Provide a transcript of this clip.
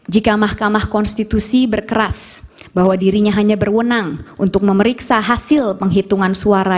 jika mahkamah konstitusi berkeras bahwa dirinya hanya berwenang untuk memeriksa hasil penghitungan suara